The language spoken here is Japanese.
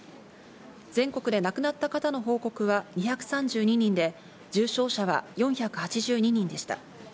全国で亡くなった方の報告は２３２人で、重症者は４８２人でした。